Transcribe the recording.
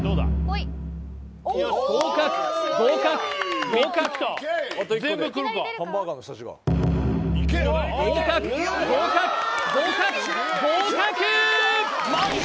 合格合格合格合格合格合格合格